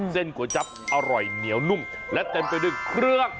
ก๋วยจับอร่อยเหนียวนุ่มและเต็มไปด้วยเครื่อง